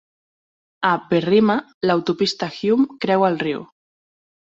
A Berrima, l'autopista Hume creua el riu.